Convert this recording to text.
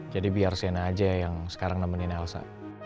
jadi biar sienna aja yang sekarang nemenin elsa